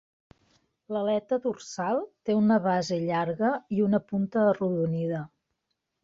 L'aleta dorsal té una base llarga i una punta arrodonida.